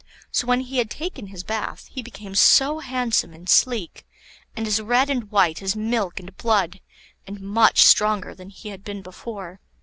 So when he had taken his bath, he became so handsome and sleek, and as red and white as milk and blood, and much stronger than he had been before.